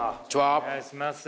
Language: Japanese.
お願いします。